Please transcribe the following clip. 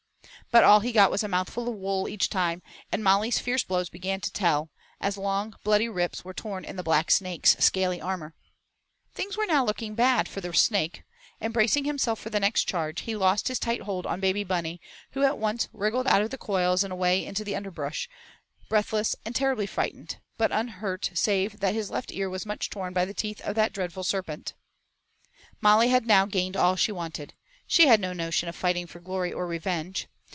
But all he got was a mouthful of wool each time, and Molly's fierce blows began to tell, as long bloody rips were torn in the Black Snake's scaly armor. Things were now looking bad for the Snake; and bracing himself for the next charge, he lost his tight hold on Baby Bunny, who at once wriggled out of the coils and away into the underbrush, breathless and terribly frightened, but unhurt save that his left ear was much torn by the teeth of that dreadful Serpent. Molly now had gained all she wanted. She had no notion of fighting for glory or revenge.